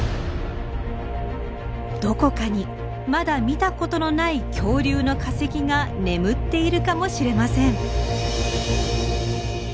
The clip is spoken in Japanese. どこかにまだ見たことのない恐竜の化石が眠っているかもしれません。